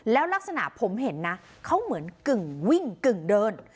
แล้วลักษณะผมเห็นนะเขาเหมือนกึ่งวิ่งกึ่งเดิน